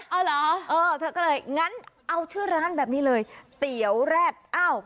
เอาเหรอเออเธอก็เลยงั้นเอาชื่อร้านแบบนี้เลยเตี๋ยวแร็ดอ้าว